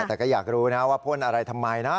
แต่ก็อยากรู้นะว่าพ่นอะไรทำไมนะ